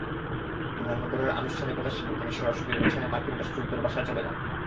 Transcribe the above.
বিমানবন্দরের আনুষ্ঠানিকতা শেষে তিনি সরাসরি গুলশানে মার্কিন রাষ্ট্রদূতের বাসায় চলে যান।